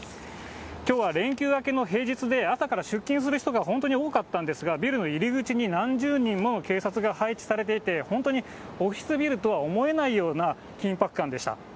きょうは連休明けの平日で、朝から出勤する人が本当に多かったんですが、ビルの入り口に何十人もの警察が配置されていて、本当にオフィスビルとは思えないような緊迫感でした。